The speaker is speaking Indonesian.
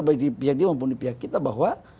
baik di pihak dia maupun di pihak kita bahwa